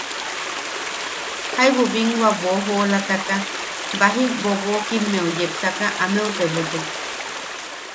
Jaibu binwa boʼojoolataka baji bobokimmeu yepsaka ameu tebotek: